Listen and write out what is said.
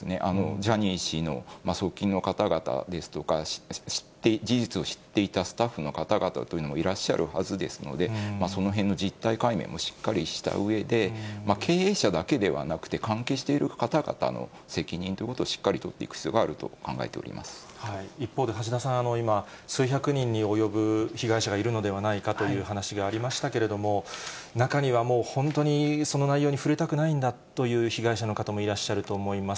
ジャニー氏の側近の方々ですとか、知って、事実を知っていたスタッフの方々というのもいらっしゃるはずですので、そのへんの実態解明もしっかりしたうえで、経営者だけではなくて、関係している方々の責任ということをしっかり取っていく必要があ一方で橋田さん、今、数百人に及ぶ被害者がいるのではないかという話がありましたけども、中にはもう、本当にその内容には触れたくないんだという被害者の方もいらっしゃると思います。